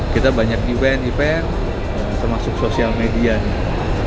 kita banyak event event termasuk sosial media nih